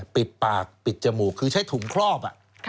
ปิดปากปิดจมูกคือใช้ถุงครอบ